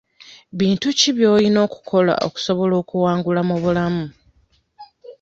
Bintu ki by'olina okukola okusobola okuwangula mu bulamu?